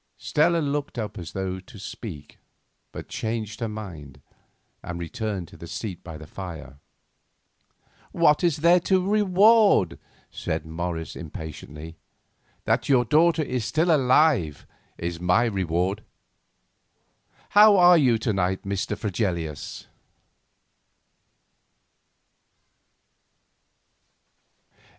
Stella looked up as though to speak, but changed her mind and returned to her seat by the fire. "What is there to reward?" said Morris impatiently; "that your daughter is still alive is my reward. How are you to night, Mr. Fregelius?"